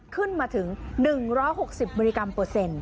ขึ้นมาถึง๑๖๐มิลลิกรัมเปอร์เซ็นต์